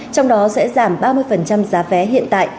trong đó sẽ giảm ba mươi giá vé hiện tại